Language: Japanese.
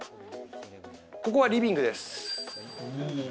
ここはリビングです。